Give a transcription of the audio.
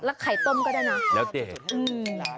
แล้วไข่ต้มก็ได้นั้น